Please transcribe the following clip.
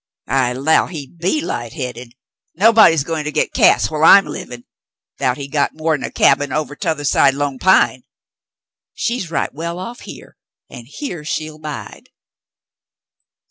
"I 'low he be light headed. Nobody's goin' to git Cass whilst I'm livin', 'thout he's got.more'n a cabin ovah t'othah side Lone Pine. She's right well off here, an' here she'll 'bide."